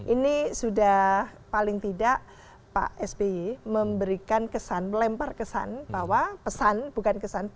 ini sudah paling tidak pak sby memberikan kesan melempar kesan bahwa pesan bukan kesan pesan bahwa sebetulnya pak sby ingin bicara secara serius tentang ini